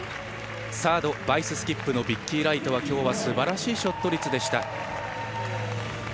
サード、バイススキップビッキー・ライトは今日はすばらしいショット率でした。